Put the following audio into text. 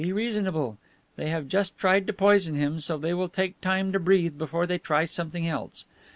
"Be reasonable. They have just tried to poison him, so they will take time to breathe before they try something else.